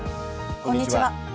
こんにちは。